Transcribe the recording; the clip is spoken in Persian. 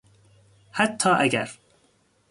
حتی اگر